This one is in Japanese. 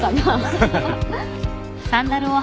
ハハハッ。